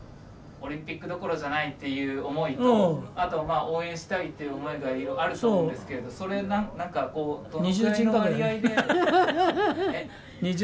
オリンピックどころじゃないっていう思いとあと応援したいっていう思いがあると思うんですけれどそれ何かどのくらいの割合で？